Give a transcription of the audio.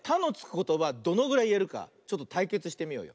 ことばどのぐらいいえるかちょっとたいけつしてみようよ。